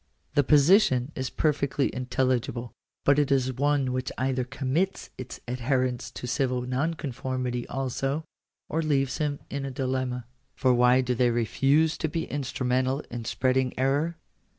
The position is perfectly intelligible. But it is one which either commits its adherents to civil nonconformity also, or leaves them in a dilemma. For why do they refuse to be instrumental in spreading error?